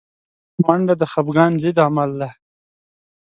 منډه د خفګان ضد عمل دی